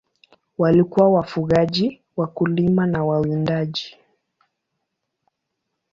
Walikuwa wafugaji, wakulima na wawindaji.